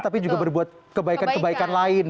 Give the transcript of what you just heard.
tapi juga berbuat kebaikan kebaikan lain